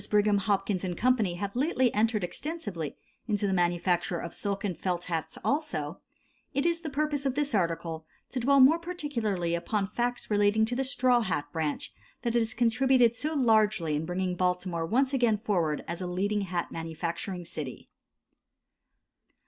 Brigham, Hopkins & Co. have lately entered extensively into the manufacture of silk and felt hats also, it is the purpose of this article to dwell more particularly upon facts relating to the straw hat branch that has contributed so largely in bringing Baltimore once again forward as a leading hat manufacturing city.